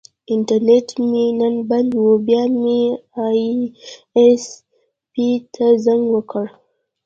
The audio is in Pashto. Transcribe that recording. انټرنیټ مې نن بند و، بیا مې ائ ایس پي ته زنګ وکړ.